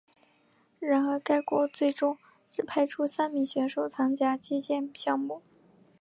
然而该国最终只派出三名选手参加击剑项目。